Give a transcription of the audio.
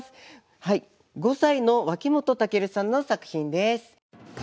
５歳の脇本武さんの作品です。